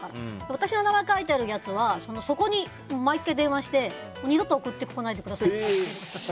私の名前が書いてあるやつはそこに毎回電話して二度と送ってこないでくださいって。